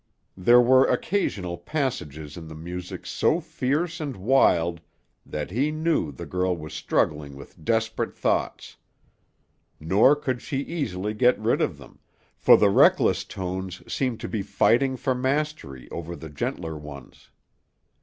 There were occasional passages in the music so fierce and wild that he knew the girl was struggling with desperate thoughts; nor could she easily get rid of them, for the reckless tones seemed to be fighting for mastery over the gentler ones.